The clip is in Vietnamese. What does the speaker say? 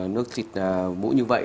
nước xịt mũi như vậy